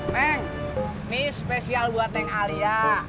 meng ini spesial gua teng alia